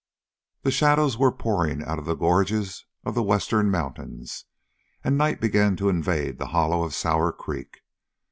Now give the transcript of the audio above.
The shadows were pouring out of the gorges of the western mountains, and night began to invade the hollow of Sour Creek.